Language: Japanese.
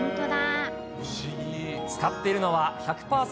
使っているのは、１００％